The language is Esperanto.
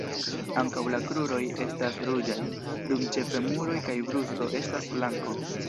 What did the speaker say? Ankaŭ la kruroj estas ruĝaj, dum ĉe femuroj kaj brusto estas blanko.